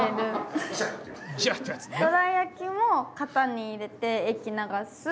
どら焼きも型に入れて液流す。